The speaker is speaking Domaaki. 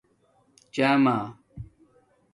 چامہ